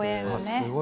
すごい！